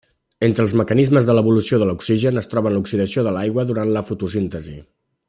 Entre els mecanismes de l'evolució de l'oxigen es troben l'oxidació de l'aigua durant la fotosíntesi.